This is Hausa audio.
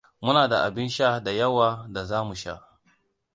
Muna da abin sha da yawa da za mu sha.